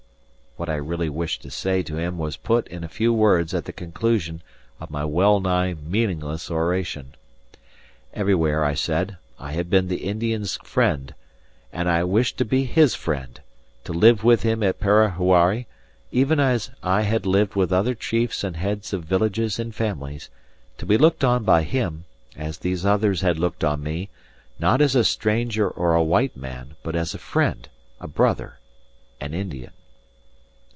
What I really wished to say to him was put in a few words at the conclusion of my well nigh meaningless oration. Everywhere, I said, I had been the Indian's friend, and I wished to be his friend, to live with him at Parahuari, even as I had lived with other chiefs and heads of villages and families; to be looked on by him, as these others had looked on me, not as a stranger or a white man, but as a friend, a brother, an Indian.